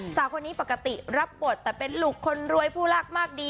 สาวคนนี้ปกติรับบทแต่เป็นลูกคนรวยผู้รักมากดี